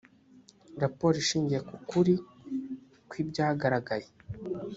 raporo ishingiye ku kuri kw’ibyagaragaye